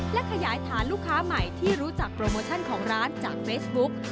และขยายฐานลูกค้าใหม่ที่รู้จักโปรโมชั่นของร้านจากเฟซบุ๊ก